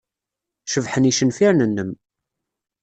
Cebḥen yicenfiren-nnem.